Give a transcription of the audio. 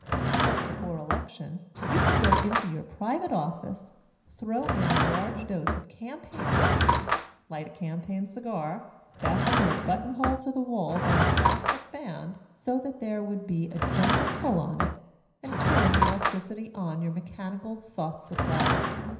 Just before election you could go into your private office, throw in a large dose of campaign whisky, light a campaign cigar, fasten your buttonhole to the wall by an elastic band, so that there would be a gentle pull on it, and turn the electricity on your mechanical thought supply.